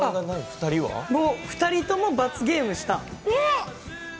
もう２人とも罰ゲームをした。